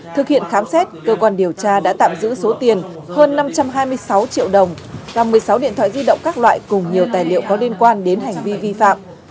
thực hiện khám xét cơ quan điều tra đã tạm giữ số tiền hơn năm trăm hai mươi sáu triệu đồng và một mươi sáu điện thoại di động các loại cùng nhiều tài liệu có liên quan đến hành vi vi phạm